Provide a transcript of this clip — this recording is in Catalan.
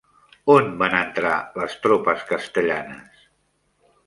On van entrar les tropes castellanes?